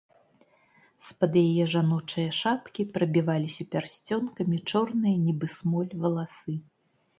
З-пад яе жаночае шапкі прабіваліся пярсцёнкамі чорныя, нібы смоль, валасы.